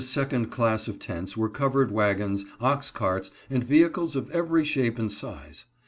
second class of tents were covered wagons, ox carts, and vehicles of every shape and size.